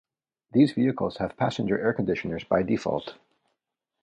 These vehicles have passenger air conditioners by default.